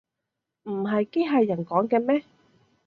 唔係機器人講嘅咩